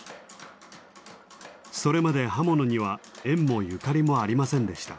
それまで刃物には縁もゆかりもありませんでした。